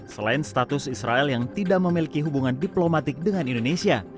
selain status israel yang tidak memiliki hubungan diplomatik dengan indonesia